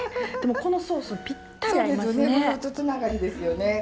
でもこのソースピッタリ合いますね。